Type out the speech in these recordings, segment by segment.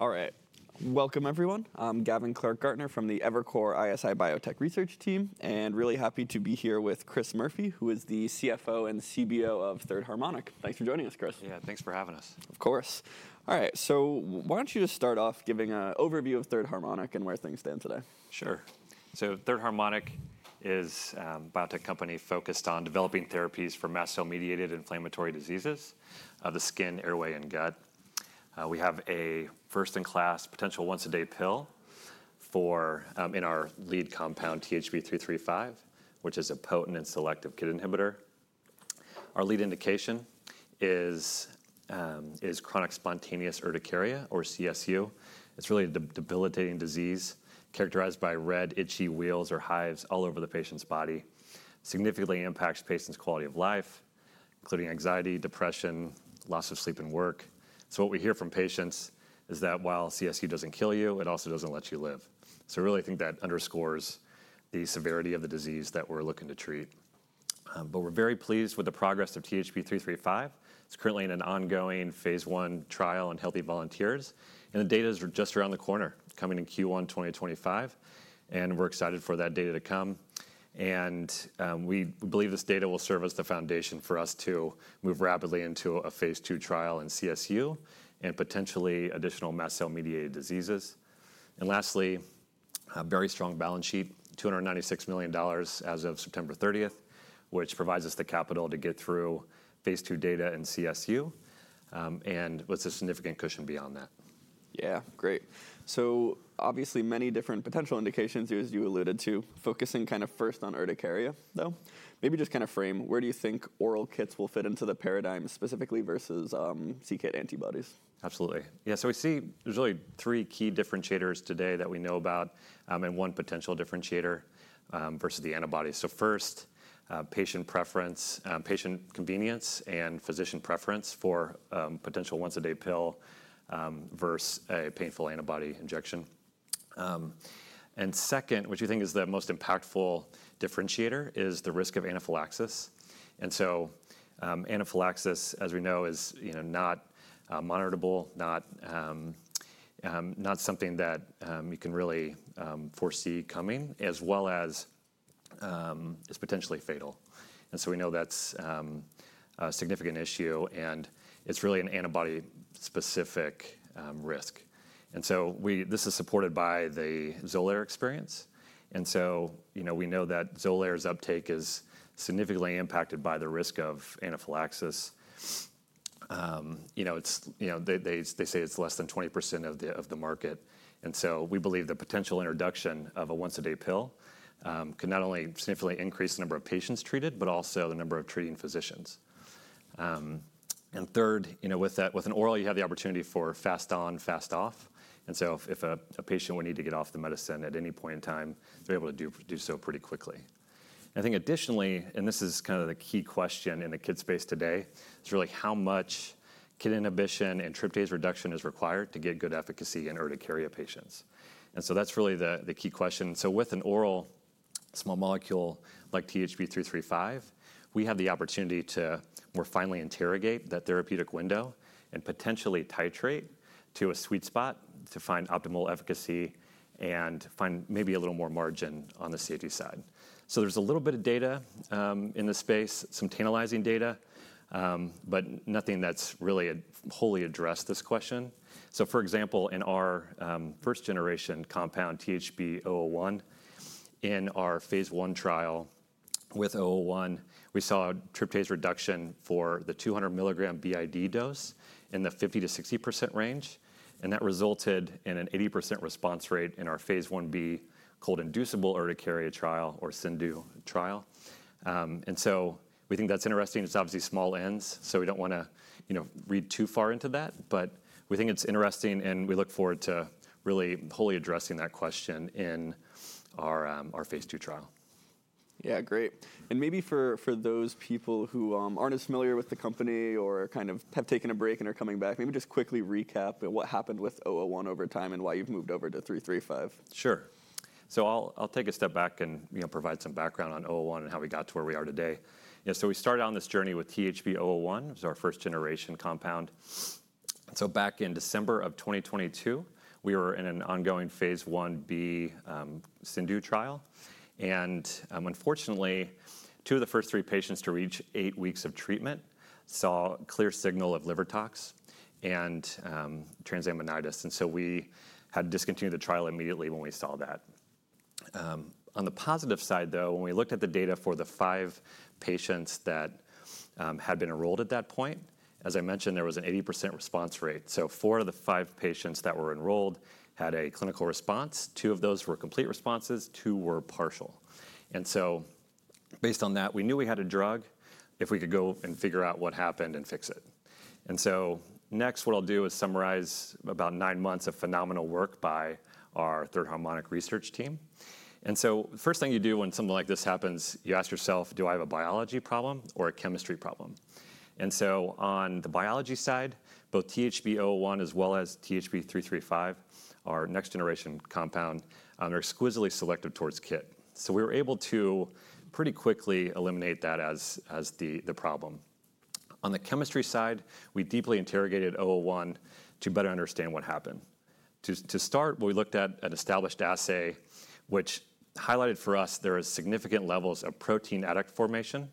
All right. Welcome, everyone. I'm Gavin Clark-Gartner from the Evercore ISI Biotech Research Team, and really happy to be here with Chris Murphy, who is the CFO and CBO of Third Harmonic. Thanks for joining us, Chris. Yeah, thanks for having us. Of course. All right, so why don't you just start off giving an overview of Third Harmonic and where things stand today? Sure. So Third Harmonic Bio is a biotech company focused on developing therapies for mast cell-mediated inflammatory diseases of the skin, airway, and gut. We have a first-in-class, potential once-a-day pill in our lead compound, THB 335, which is a potent and selective KIT inhibitor. Our lead indication is chronic spontaneous urticaria, or CSU. It's really a debilitating disease characterized by red, itchy wheals or hives all over the patient's body. It significantly impacts patients' quality of life, including anxiety, depression, loss of sleep, and work. So what we hear from patients is that while CSU doesn't kill you, it also doesn't let you live. So I really think that underscores the severity of the disease that we're looking to treat. But we're very pleased with the progress of 335. It's currently in an ongoing phase I trial in healthy volunteers, and the data is just around the corner, coming in Q1 2025. We're excited for that data to come. We believe this data will serve as the foundation for us to move rapidly into a phase II trial in CSU and potentially additional mast cell-mediated diseases. Lastly, a very strong balance sheet, $296 million as of September 30th, which provides us the capital to get through phase II data in CSU, and with a significant cushion beyond that. Yeah, great. So obviously many different potential indications here, as you alluded to, focusing kind of first on urticaria, though. Maybe just kind of frame, where do you think oral KITs will fit into the paradigm specifically versus c-KIT antibodies? Absolutely. Yeah, so we see there's really three key differentiators today that we know about and one potential differentiator versus the antibodies. So first, patient preference, patient convenience, and physician preference for potential once-a-day pill versus a painful antibody injection. And second, which we think is the most impactful differentiator, is the risk of anaphylaxis. And so anaphylaxis, as we know, is not monitorable, not something that you can really foresee coming, as well as is potentially fatal. And so we know that's a significant issue, and it's really an antibody-specific risk. And so this is supported by the Xolair experience. And so we know that Xolair's uptake is significantly impacted by the risk of anaphylaxis. They say it's less than 20% of the market. And so we believe the potential introduction of a once-a-day pill can not only significantly increase the number of patients treated, but also the number of treating physicians. And third, with an oral, you have the opportunity for fast on, fast off. And so if a patient would need to get off the medicine at any point in time, they're able to do so pretty quickly. I think additionally, and this is kind of the key question in the KIT space today, is really how much KIT inhibition and tryptase reduction is required to get good efficacy in urticaria patients. And so that's really the key question. So with an oral small molecule like THB 335, we have the opportunity to more finely interrogate that therapeutic window and potentially titrate to a sweet spot to find optimal efficacy and find maybe a little more margin on the safety side. There's a little bit of data in this space, some tantalizing data, but nothing that's really wholly addressed this question. For example, in our first-generation compound, THB 001, in our phase I trial with 001, we saw tryptase reduction for the 200-mg BID dose in the 50%-60% range. That resulted in an 80% response rate in our phase Ib cold-inducible urticaria trial, or CIndU trial. We think that's interesting. It's obviously small n's, so we don't want to read too far into that. We think it's interesting, and we look forward to really wholly addressing that question in our phase II trial. Yeah, great. And maybe for those people who aren't as familiar with the company or kind of have taken a break and are coming back, maybe just quickly recap what happened with 001 over time and why you've moved over to 335? Sure. So I'll take a step back and provide some background on 001 and how we got to where we are today. So we started on this journey with THB 001, which is our first-generation compound. So back in December of 2022, we were in an ongoing phase Ib CIndU trial. And unfortunately, two of the first three patients to reach eight weeks of treatment saw clear signal of liver tox and transaminitis. And so we had to discontinue the trial immediately when we saw that. On the positive side, though, when we looked at the data for the five patients that had been enrolled at that point, as I mentioned, there was an 80% response rate. So four of the five patients that were enrolled had a clinical response. Two of those were complete responses. Two were partial. And so, based on that, we knew we had a drug if we could go and figure out what happened and fix it. And so next, what I'll do is summarize about nine months of phenomenal work by our Third Harmonic Bio research team. And so, the first thing you do when something like this happens, you ask yourself, do I have a biology problem or a chemistry problem? And so, on the biology side, both THB 001 as well as THB 335, our next-generation compound, are exquisitely selective towards KIT. So, we were able to pretty quickly eliminate that as the problem. On the chemistry side, we deeply interrogated 001 to better understand what happened. To start, we looked at an established assay, which highlighted for us there are significant levels of protein adduct formation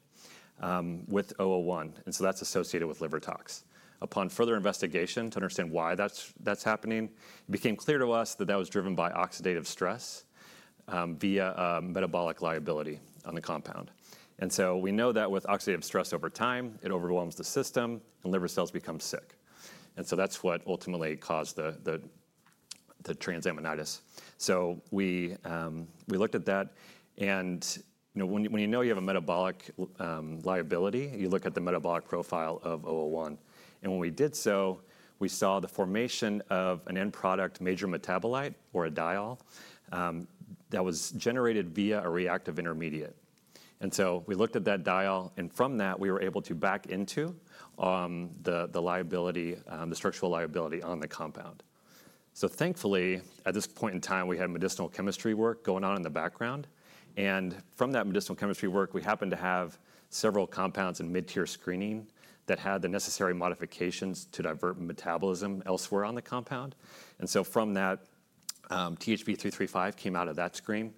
with 001, and so that's associated with liver tox. Upon further investigation to understand why that's happening, it became clear to us that that was driven by oxidative stress via metabolic liability on the compound, and so we know that with oxidative stress over time, it overwhelms the system, and liver cells become sick, and so that's what ultimately caused the transaminitis, so we looked at that, and when you know you have a metabolic liability, you look at the metabolic profile of 001, and when we did so, we saw the formation of an end product major metabolite, or a diol, that was generated via a reactive intermediate, and so we looked at that diol, and from that, we were able to back into the structural liability on the compound, so thankfully, at this point in time, we had medicinal chemistry work going on in the background. And from that medicinal chemistry work, we happened to have several compounds in mid-tier screening that had the necessary modifications to divert metabolism elsewhere on the compound. And so from that, THB 335 came out of that screen.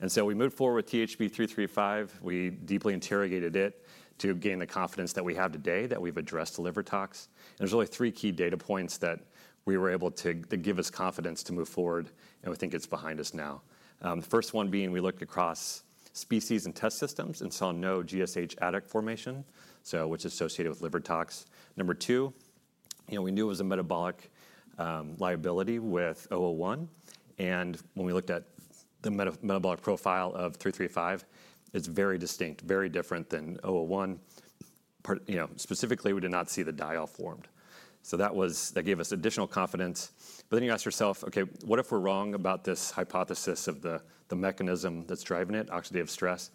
And so we moved forward with THB 335. We deeply interrogated it to gain the confidence that we have today that we've addressed the liver tox. And there's really three key data points that we were able to give us confidence to move forward, and we think it's behind us now. The first one being, we looked across species and test systems and saw no GSH adduct formation, which is associated with liver tox. Number two, we knew it was a metabolic liability with 001. And when we looked at the metabolic profile of 335, it's very distinct, very different than 001. Specifically, we did not see the diol formed. So that gave us additional confidence. But then you ask yourself, okay, what if we're wrong about this hypothesis of the mechanism that's driving it, oxidative stress?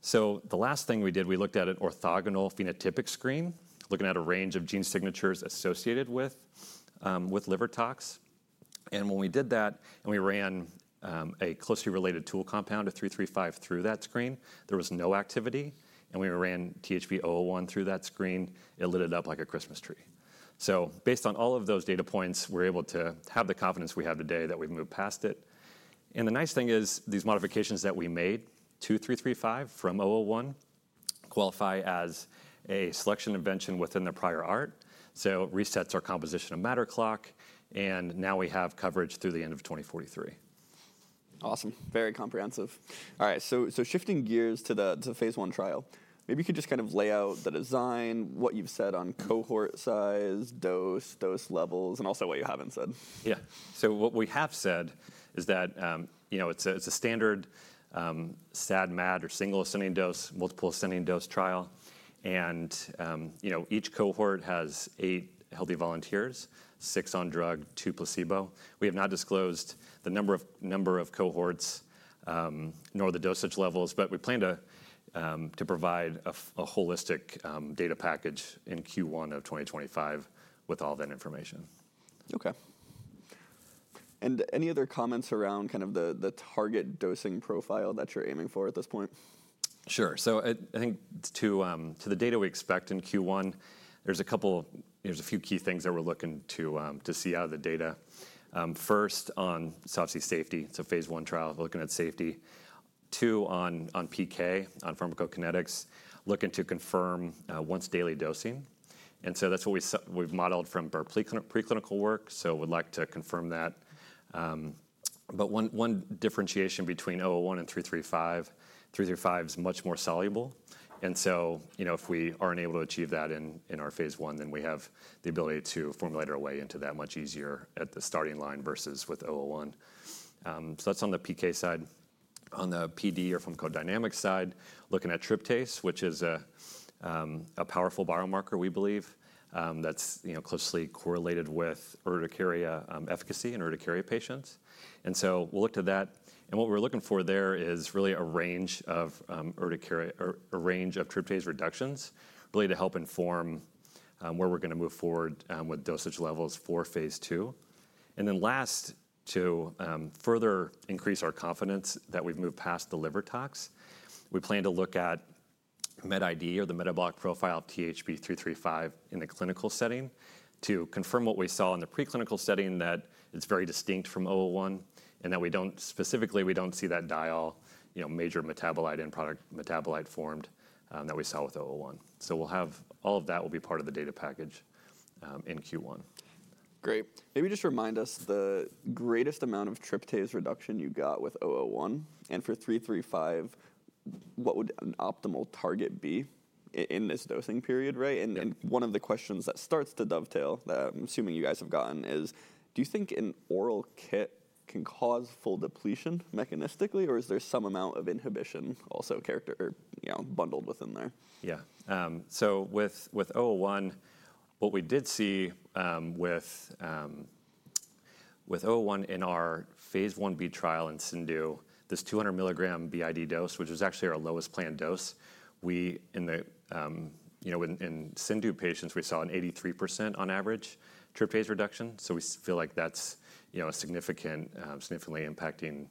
So the last thing we did, we looked at an orthogonal phenotypic screen, looking at a range of gene signatures associated with liver tox. And when we did that and we ran a closely related tool compound of 335 through that screen, there was no activity. And when we ran THB 001 through that screen, it lit it up like a Christmas tree. So based on all of those data points, we're able to have the confidence we have today that we've moved past it. And the nice thing is these modifications that we made to 335 from 001 qualify as a selection intervention within the prior art. So it resets our composition of matter clock, and now we have coverage through the end of 2043. Awesome. Very comprehensive. All right, so shifting gears to the phase I trial, maybe you could just kind of lay out the design, what you've said on cohort size, dose, dose levels, and also what you haven't said. Yeah. So what we have said is that it's a standard SAD-MAD or single-ascending dose, multiple-ascending dose trial, and each cohort has eight healthy volunteers, six on drug, two placebo. We have not disclosed the number of cohorts nor the dosage levels, but we plan to provide a holistic data package in Q1 of 2025 with all that information. Okay. And any other comments around kind of the target dosing profile that you're aiming for at this point? Sure. So I think to the data we expect in Q1, there's a few key things that we're looking to see out of the data. First, on overall safety, so phase I trial, we're looking at safety. Two, on PK, on pharmacokinetics, looking to confirm once-daily dosing. And so that's what we've modeled from our preclinical work, so we'd like to confirm that. But one differentiation between 001 and 335, 335 is much more soluble. And so if we aren't able to achieve that in our phase I, then we have the ability to formulate our way into that much easier at the starting line versus with 001. So that's on the PK side. On the PD or pharmacodynamic side, looking at tryptase, which is a powerful biomarker, we believe, that's closely correlated with urticaria efficacy in urticaria patients. And so we'll look to that. What we're looking for there is really a range of tryptase reductions really to help inform where we're going to move forward with dosage levels for phase II. To further increase our confidence that we've moved past the liver tox, we plan to look at Met ID, or the metabolic profile of THB 335 in the clinical setting, to confirm what we saw in the preclinical setting that is very distinct from 001, and that specifically, we don't see that diol, major metabolite, end product metabolite formed that we saw with 001. All of that will be part of the data package in Q1. Great. Maybe just remind us the greatest amount of tryptase reduction you got with 001. And for 335, what would an optimal target be in this dosing period? And one of the questions that starts to dovetail that I'm assuming you guys have gotten is, do you think an oral KIT can cause full depletion mechanistically, or is there some amount of inhibition also bundled within there? Yeah. So with 001, what we did see with 001 in our phase Ib trial in CIndU, this 200 mg BID dose, which was actually our lowest planned dose, in CIndU patients, we saw an 83% on average tryptase reduction. So we feel like that's significantly impacting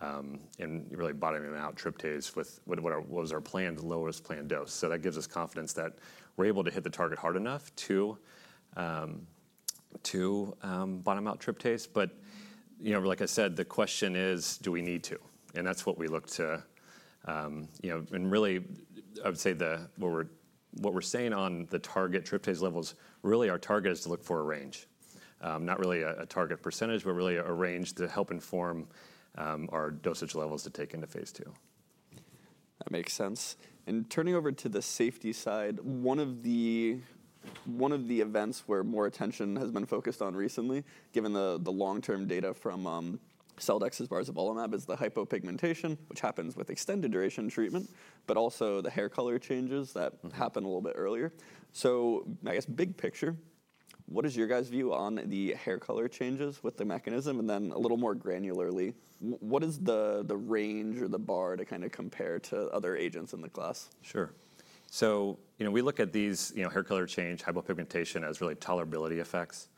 and really bottoming out tryptase with what was our planned, lowest planned dose. So that gives us confidence that we're able to hit the target hard enough to bottom out tryptase. But like I said, the question is, do we need to? And that's what we look to. And really, I would say what we're saying on the target tryptase levels, really our target is to look for a range, not really a target percentage, but really a range to help inform our dosage levels to take into phase II. That makes sense. And turning over to the safety side, one of the events where more attention has been focused on recently, given the long-term data from Celldex's barzolvolimab, is the hypopigmentation, which happens with extended duration treatment, but also the hair color changes that happen a little bit earlier. So I guess, big picture, what is your guys' view on the hair color changes with the mechanism? And then a little more granularly, what is the range or the bar to kind of compare to other agents in the class? Sure. So we look at these hair color change, hypopigmentation as really tolerability effects.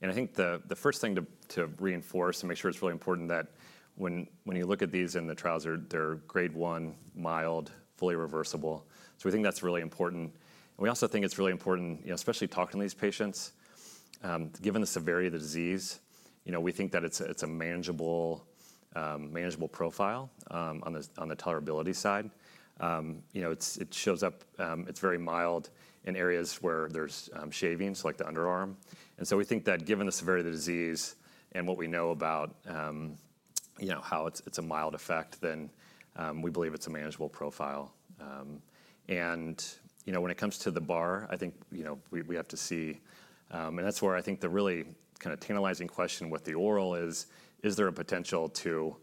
And I think the first thing to reinforce and make sure it's really important that when you look at these in the trials, they're grade one, mild, fully reversible. So we think that's really important. And we also think it's really important, especially talking to these patients, given the severity of the disease, we think that it's a manageable profile on the tolerability side. It shows up; it's very mild in areas where there's shaving, so like the underarm. And so we think that given the severity of the disease and what we know about how it's a mild effect, then we believe it's a manageable profile. When it comes to the bar, I think we have to see, and that's where I think the really kind of tantalizing question with the oral is, is there a potential to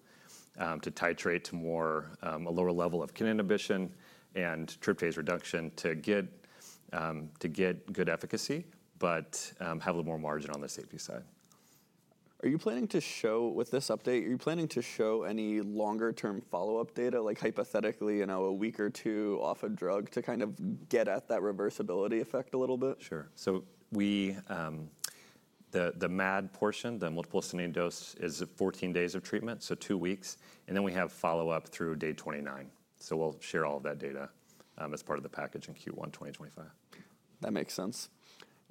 titrate to a lower level of KIT inhibition and tryptase reduction to get good efficacy, but have a little more margin on the safety side? Are you planning to show any longer-term follow-up data, like hypothetically a week or two off a drug to kind of get at that reversibility effect a little bit? Sure. So the MAD portion, the multiple-ascending dose, is 14 days of treatment, so two weeks. And then we have follow-up through day 29. So we'll share all of that data as part of the package in Q1 2025. That makes sense.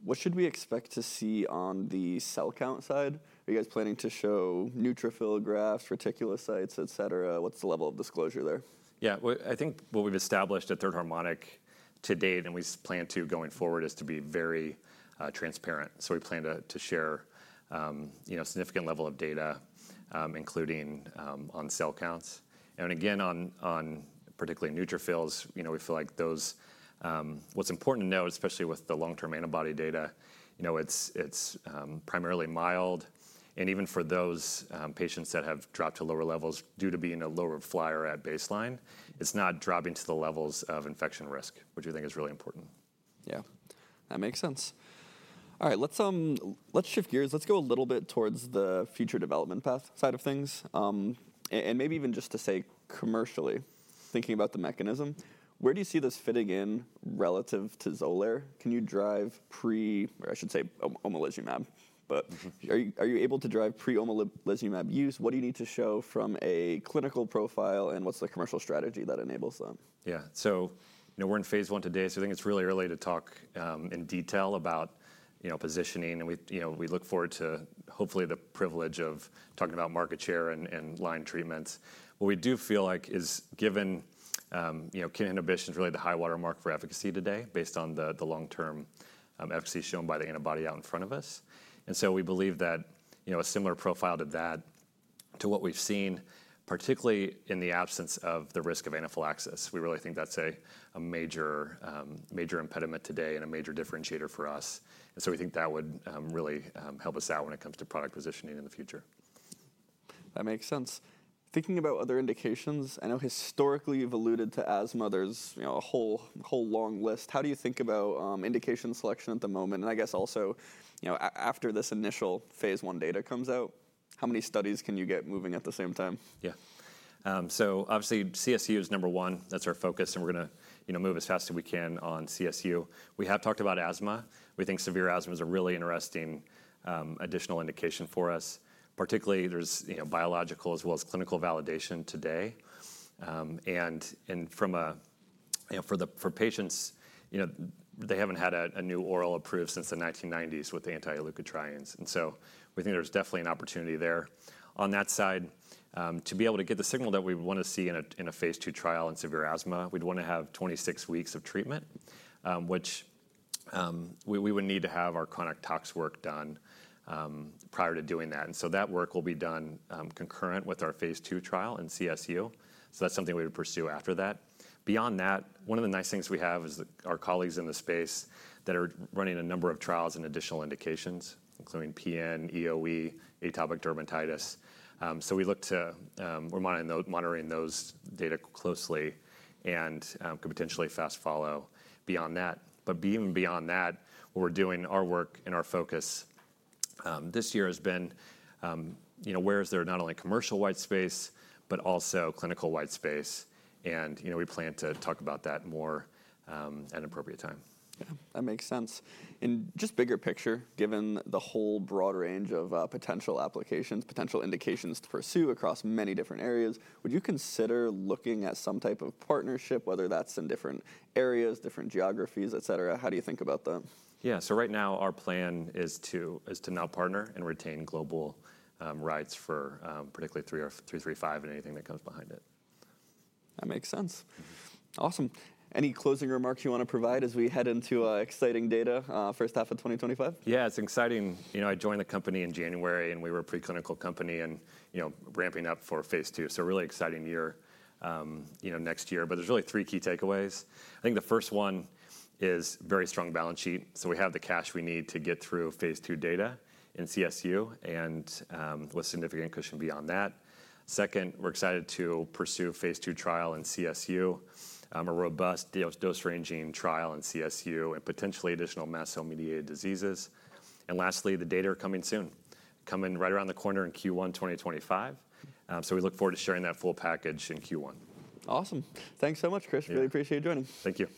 What should we expect to see on the cell count side? Are you guys planning to show neutrophil graphs, reticulocytes, et cetera? What's the level of disclosure there? Yeah. I think what we've established at Third Harmonic to date, and we plan to going forward, is to be very transparent. So we plan to share a significant level of data, including on cell counts. And again, on particularly neutrophils, we feel like what's important to note, especially with the long-term antibody data, it's primarily mild. And even for those patients that have dropped to lower levels due to being a lower flyer at baseline, it's not dropping to the levels of infection risk, which we think is really important. Yeah. That makes sense. All right, let's shift gears. Let's go a little bit towards the future development path side of things. And maybe even just to say commercially, thinking about the mechanism, where do you see this fitting in relative to Xolair? Can you drive pre, or I should say omalizumab, but are you able to drive pre-omalizumab use? What do you need to show from a clinical profile, and what's the commercial strategy that enables that? Yeah. So we're in phase I today, so I think it's really early to talk in detail about positioning. And we look forward to hopefully the privilege of talking about market share and line treatments. What we do feel like is given KIT inhibition is really the high watermark for efficacy today, based on the long-term efficacy shown by the antibody out in front of us. And so we believe that a similar profile to that, to what we've seen, particularly in the absence of the risk of anaphylaxis, we really think that's a major impediment today and a major differentiator for us. And so we think that would really help us out when it comes to product positioning in the future. That makes sense. Thinking about other indications, I know historically you've alluded to asthma. There's a whole long list. How do you think about indication selection at the moment? And I guess also, after this initial phase I data comes out, how many studies can you get moving at the same time? Yeah. So obviously, CSU is number one. That's our focus, and we're going to move as fast as we can on CSU. We have talked about asthma. We think severe asthma is a really interesting additional indication for us. Particularly, there's biological as well as clinical validation today, and for patients, they haven't had a new oral approved since the 1990s with the anti-leukotrienes. And so we think there's definitely an opportunity there. On that side, to be able to get the signal that we want to see in a phase II trial in severe asthma, we'd want to have 26 weeks of treatment, which we would need to have our chronic tox work done prior to doing that. And so that work will be done concurrent with our phase II trial in CSU, so that's something we would pursue after that. Beyond that, one of the nice things we have is our colleagues in the space that are running a number of trials in additional indications, including PN, EoE, atopic dermatitis. So we look to monitoring those data closely and could potentially fast follow beyond that. But even beyond that, what we're doing, our work and our focus this year has been where is there not only commercial white space, but also clinical white space. And we plan to talk about that more at an appropriate time. Yeah. That makes sense. In just bigger picture, given the whole broad range of potential applications, potential indications to pursue across many different areas, would you consider looking at some type of partnership, whether that's in different areas, different geographies, et cetera? How do you think about that? Yeah. Right now, our plan is to now partner and retain global rights for particularly 335 and anything that comes behind it. That makes sense. Awesome. Any closing remarks you want to provide as we head into exciting data first half of 2025? Yeah. It's exciting. I joined the company in January, and we were a preclinical company and ramping up for phase II, so really exciting year next year, but there's really three key takeaways. I think the first one is very strong balance sheet, so we have the cash we need to get through phase II data in CSU and with significant cushion beyond that. Second, we're excited to pursue phase II trial in CSU, a robust dose ranging trial in CSU, and potentially additional mast cell mediated diseases, and lastly, the data are coming soon, coming right around the corner in Q1 2025, so we look forward to sharing that full package in Q1. Awesome. Thanks so much, Chris. Really appreciate you joining. Thank you.